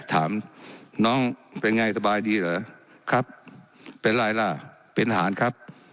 ถามน้องเป็นไงสบายดีเหรอครับเป็นไรล่ะเป็นทหารครับ